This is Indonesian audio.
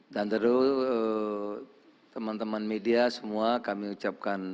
dan terutama teman teman media semua kami ucapkan